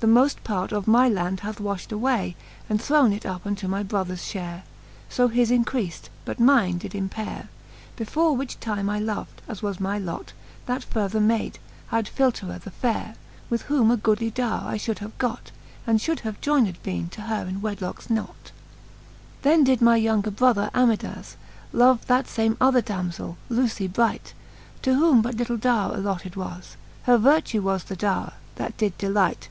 The mod part of my land hath wafht away, And thrown it up unto my brothers fhare : So his encreafed, but mine did empaire. Before which time I lov'd, as was my lot. That further mayd, hight Phtltera the faire, With whom a goodly doure I (hould have got, And fliould have joyned bene to her in wedlocks knot. Ha IX. Then 52 The fifth Booke of Canto IV. IX. Then did my younger brother Amldas Love that fame other damzell, L,ucy bright, To whom but little dowre allotted was : Her vertue was the dowre, that did delight.